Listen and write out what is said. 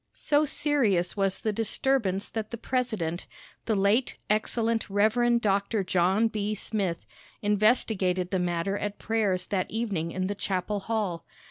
So serious was the disturbance that the president, the late excellent Rev. Dr. John B. Smith, investigated the matter at prayers that evening in the chapel hall.